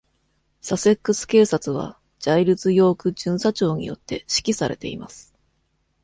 サセックス警察はジャイルズヨーク巡査長によって指揮されています。